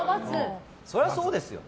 そりゃそうですよ。